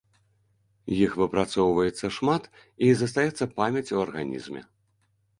Іх выпрацоўваецца шмат, і застаецца памяць у арганізме.